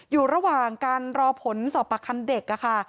อยู่ระหว่างการรอผลสอบปากคำเด็กค่ะ